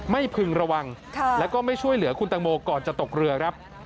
พึงระวังแล้วก็ไม่ช่วยเหลือคุณตังโมก่อนจะตกเรือครับ